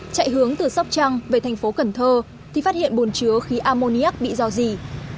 chạy hướng từ sóc trăng về thành phố cần thơ thì phát hiện bồn chứa khí ammoniac bị dò dỉ